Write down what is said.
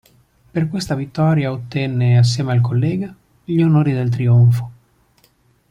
Per questa vittoria ottenne, assieme al collega, gli onori del trionfo.